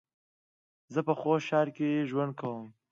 زه په خوست ښار کې ژوند کوم